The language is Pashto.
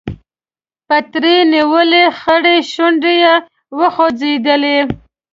پتري نيولې خړې شونډې يې وخوځېدې.